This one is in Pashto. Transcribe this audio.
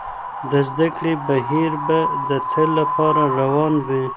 د زده کړې بهير به د تل لپاره روان وي.